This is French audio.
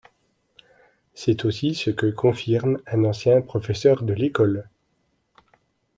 C'est aussi ce que confirme un ancien professeur de l'école.